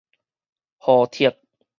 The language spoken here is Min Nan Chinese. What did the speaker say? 互斥